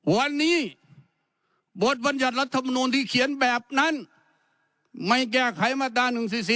วันนี้บทบัญญัติรัฐมนูลที่เขียนแบบนั้นไม่แก้ไขมาตรา๑๔๔